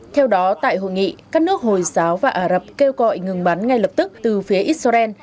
theo đó tại hội nghị các nước hồi giáo và ả rập kêu gọi ngừng bắn ngay lập tức từ phía israel